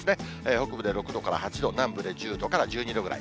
北部で６度から８度、南部で１０度から１２度くらい。